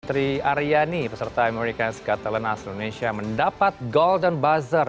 putri aryani peserta american skatelan asal indonesia mendapat golden buzzer